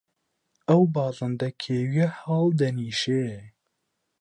ئەو باڵندە کێویلەیە هەڵدەنیشێ؟